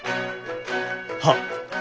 はっ。